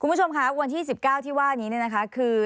คุณผู้ชมครับวันที่๑๙ที่ว่านี้คือ